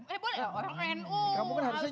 eh boleh orang nu harus salaman